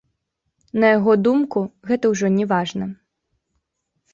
На яго думку, гэта ўжо не важна.